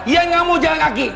yang gak mau jalan kaki